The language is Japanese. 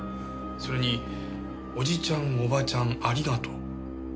それに「叔父ちゃん叔母ちゃんありがとう」。